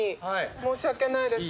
申し訳ないです。